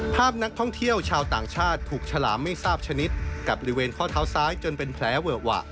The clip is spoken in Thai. ภาพนักท่องเที่ยวชาวต่างชาติถูกฉลามไม่ทราบชนิดกัดบริเวณข้อเท้าซ้ายจนเป็นแผลเวอะวะ